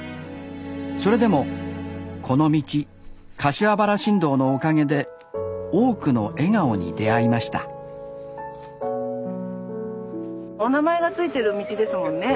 それでもこの道柏原新道のおかげで多くの笑顔に出会いましたお名前が付いてる道ですもんね。